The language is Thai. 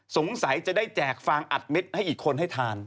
สงสัยจะได้แจกฟางอัดเม็ดให้อีกคนให้ทาน